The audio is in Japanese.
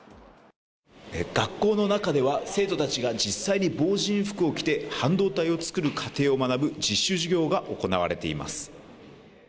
学校の中では生徒たちが実際に防じん服を着て半導体を作る過程を学ぶ実習事業が行われています。